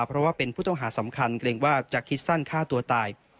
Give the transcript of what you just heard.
เพราะว่าเป็นผู้ต้องหาสำคัญเกรงว่าจะคิดสั้นฆ่าตัวตาย